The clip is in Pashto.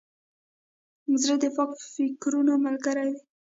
زړه د پاک فکرونو ملګری دی.